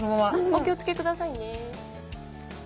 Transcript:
お気を付けくださいね。